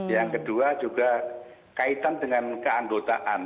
yang kedua juga kaitan dengan keanggotaan